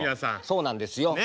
そうなんですよ。